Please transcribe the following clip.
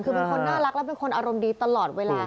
คือเป็นคนน่ารักและเป็นคนอารมณ์ดีตลอดเวลา